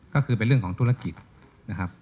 ก็คือเป็นเรื่องของธุรกิจนะครับ